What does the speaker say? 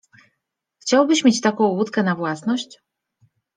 Chciałbyś mieć taką łódkę na własność?